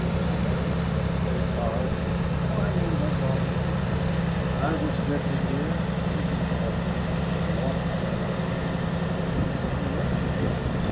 I met him. We played cards and " "No. I mean what brought you to Benton?" "I just drifted here.... I'm looking for a a lost friend," said Neale. "No work?